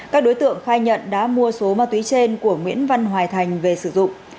các đối tượng khai nhận đã mua số ma túy trên của nguyễn văn hoài thành về sử dụng